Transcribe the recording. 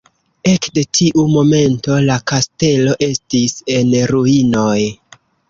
Ekde tiu momento, la kastelo estis en ruinoj.